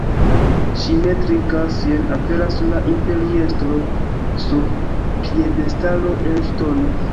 Ŝi ne trinkas, jen aperas la imperiestro sur piedestalo el ŝtono.